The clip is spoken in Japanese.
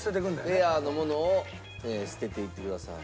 ペアのものを捨てていってください。